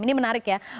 ini menarik ya